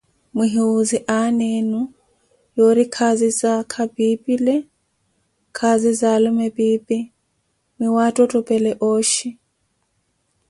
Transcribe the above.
Muhiwuuze aana enu yoori, khaazi za aakha pipile, khaazi za alume piipi, nwattottopele ooxhi.